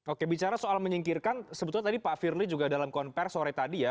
oke bicara soal menyingkirkan sebetulnya tadi pak firly juga dalam konfer sore tadi ya